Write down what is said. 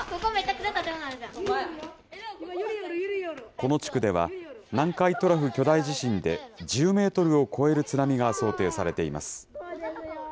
この地区では、南海トラフ巨大地震で１０メートルを超える津波が想定されています。